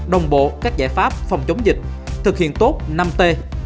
đồng bộ các giải pháp phòng chống dịch thực hiện tốt năm t